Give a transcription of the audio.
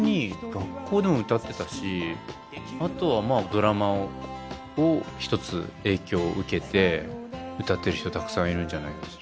学校でも歌ってたしあとはまあドラマを一つ影響受けて歌ってる人たくさんいるんじゃないかしら。